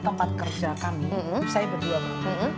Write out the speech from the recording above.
tempat kerja kami saya berdua bekerja